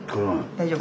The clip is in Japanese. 大丈夫？